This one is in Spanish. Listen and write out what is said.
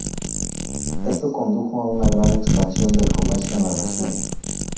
Esto condujo a una gran expansión del comercio en la región.